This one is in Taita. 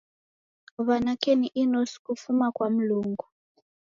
Wanake ni inosi kufuma kwa mlungu.